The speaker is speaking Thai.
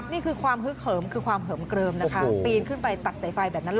นี่คือความฮึกเหิมคือความเหิมเกลิมนะคะปีนขึ้นไปตักสายไฟแบบนั้นเลย